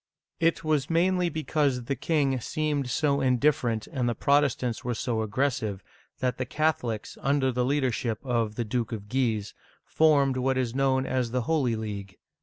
It was mainly because the king seemed so indifferent and the Protestants were so aggressive, that the Catholics, under the leadership of the Duke of Guise, formed what is known as the Holy League.